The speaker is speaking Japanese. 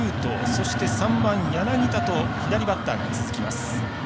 そして３番、柳田と左バッターが続きます。